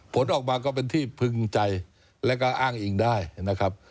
ผลออกมาก็เป็นที่พึงใจแล้วก็อ้างอิงได้นะครับ